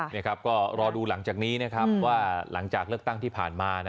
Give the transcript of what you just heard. นี่ครับก็รอดูหลังจากนี้นะครับว่าหลังจากเลือกตั้งที่ผ่านมา